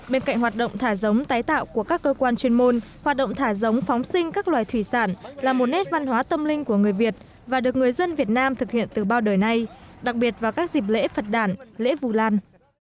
bên cạnh hoạt động thả giống tái tạo của các cơ quan chuyên môn hoạt động thả giống phóng sinh các loài thủy sản là một nét văn hóa tâm linh của người việt và được người dân việt nam thực hiện từ bao đời nay đặc biệt vào các dịp lễ phật đàn lễ vù lan